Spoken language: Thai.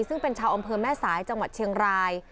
ซึ่งเป็นชาวอำเภอแม่สายจังหวัดเชียงราย